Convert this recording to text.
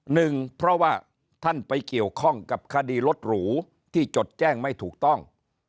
หนึ่งเพราะว่าท่านไปเกี่ยวข้องกับคดีรถหรูที่จดแจ้งไม่ถูกต้อง